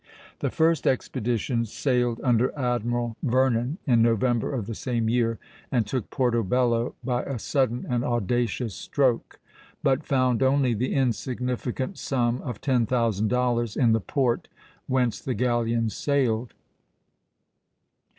The first expedition sailed under Admiral Vernon in November of the same year, and took Porto Bello by a sudden and audacious stroke, but found only the insignificant sum of ten thousand dollars in the port whence the galleons sailed.